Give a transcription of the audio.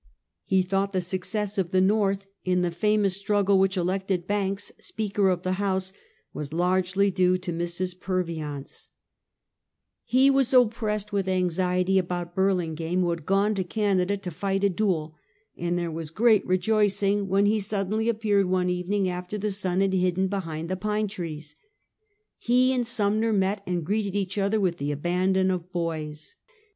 He thought the success of the l!>rorth in the famous struggle which elected Banks Speaker of the House, was largely due to Mrs. Purviance. 160 Half a Centuey. He was oj)pressed with anxiety about Bnrlingame, who had gone to Canada to fight a duel, and there was great rejoicing, Mdien he suddenly appeared one even ing after the sun had hidden behind the pine trees. He and Sumner met and greeted each other with the abandon of boys.